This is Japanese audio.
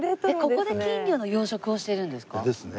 ここで金魚の養殖をしてるんですか？ですね。